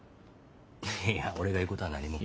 いや俺が言うことは何も。